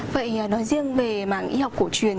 vậy nói riêng về mạng y học cổ truyền